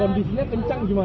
kondisinya kencang gimana